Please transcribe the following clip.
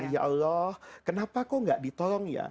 ya allah kenapa kok nggak ditolong ya